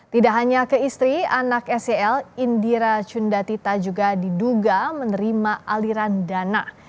tidak hanya ke istri anak sel indira cundatita juga diduga menerima aliran dana